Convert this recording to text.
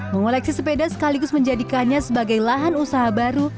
mengoleksi sepeda sekaligus menjadikannya sebagai lahan usaha baru